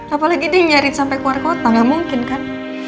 apalagi deh nyari sampe keluar kota gak mungkin kan